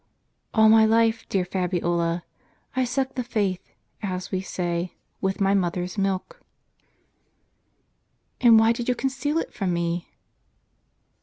"" All my life, dear Fabiola ; I sucked the faith, as we say, with my mother's milk." " And why did you conceal it from me